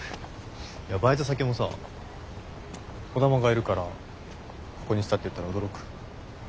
バイト先もさ兒玉がいるからここにしたって言ったら驚く？